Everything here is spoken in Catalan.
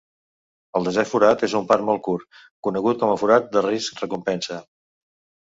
El desè forat és un par molt curt, conegut com a forat de risc-recompensa.